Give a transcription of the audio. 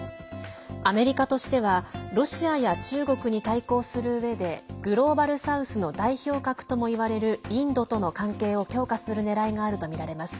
アメリカとしてはロシアや中国に対抗するうえでグローバル・サウスの代表格ともいわれるインドとの関係を強化するねらいがあるとみられます。